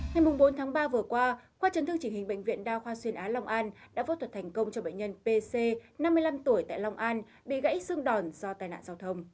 ngày bốn tháng ba vừa qua khoa chấn thương chỉnh hình bệnh viện đa khoa xuyên á long an đã phẫu thuật thành công cho bệnh nhân pc năm mươi năm tuổi tại long an bị gãy xương đòn do tai nạn giao thông